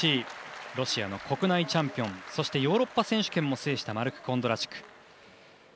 ロシアの国内チャンピオンそしてヨーロッパ選手権も制したマルク・コンドラチュク。